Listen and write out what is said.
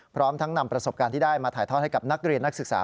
พร้อมทั้งนำประสบการณ์ที่ได้มาถ่ายทอดให้กับนักเรียนนักศึกษา